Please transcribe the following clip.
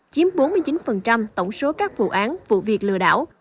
chiếm bốn mươi chín tổng số các vụ án vụ việc lừa đảo